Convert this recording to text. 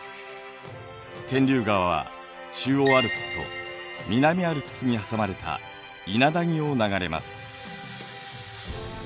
天竜川は中央アルプスと南アルプスに挟まれた伊那谷を流れます。